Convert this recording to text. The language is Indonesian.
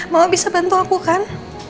mama bisa bantu aku kan